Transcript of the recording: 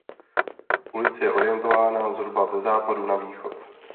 Ulice je orientována zhruba ze západu na východ.